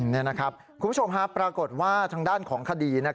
นี่นะครับคุณผู้ชมปรากฏว่าทางด้านของคดี